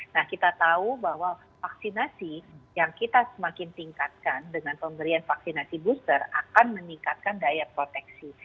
nah kita tahu bahwa vaksinasi yang kita semakin tingkatkan dengan pemberian vaksinasi booster akan meningkatkan daya proteksi